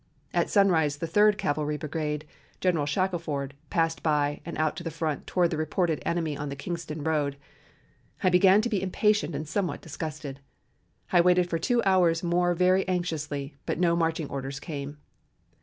At sunrise, the Third Cavalry Brigade (General Shackelford) passed by and out to the front toward the reported enemy on the Kingston road. I began to be impatient and somewhat disgusted. I waited for two hours more very anxiously, but no marching orders came.